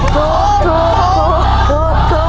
ถูกถูกถูก